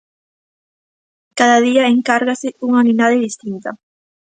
Cada día encárgase unha unidade distinta.